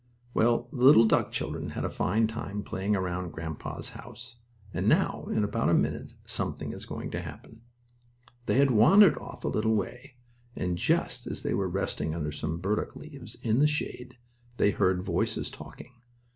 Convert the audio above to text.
Well, the little duck children had a fine time playing around grandpa's house, and now, in about a minute something is going to happen. They had wandered off a little way, and, just as they were resting under some burdock leaves, in the shade, they heard voices talking.